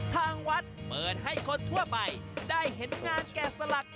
ทางวัดเปิดให้คนทั่วไปได้เห็นงานแก่สลัก